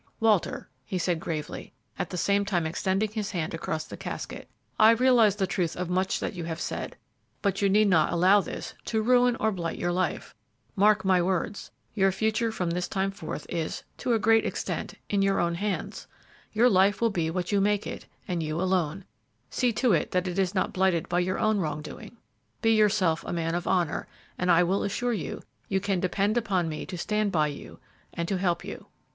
"Walter," he said, gravely, at the same time extending his hand across the casket, "I realize the truth of much that you have said, but you need not allow this to ruin or blight your life. Mark my words, your future from this time forth is, to a great extent, in your own hands; your life will be what you make it, and you alone. See to it that it is not blighted by your own wrong doing! Be yourself a man of honor, and I will assure you, you can depend upon me to stand by you and to help you."